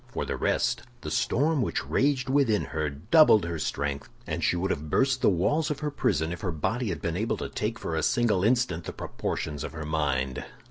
For the rest, the storm which raged within her doubled her strength, and she would have burst the walls of her prison if her body had been able to take for a single instant the proportions of her mind.